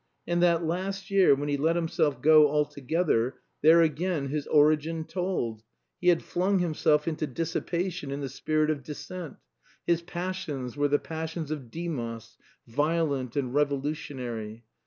And that last year when he let himself go altogether there again his origin told. He had flung himself into dissipation in the spirit of dissent. His passions were the passions of Demos, violent and revolutionary.